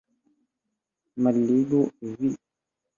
Malligu, vi!